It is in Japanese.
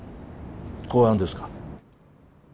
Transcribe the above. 公安ですか。